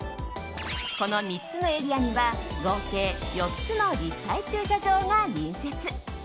この３つのエリアには合計４つの立体駐車場が隣接。